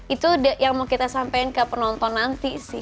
itu yang mau kita sampaikan ke penonton nanti sih